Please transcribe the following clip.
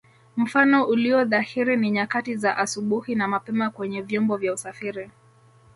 Mfano ulio dhahiri ni nyakati za asubuhi na mapema kwenye vyombo vya usafiri